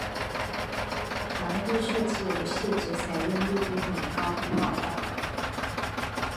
弹幕射击游戏则采用密度很高的炮弹。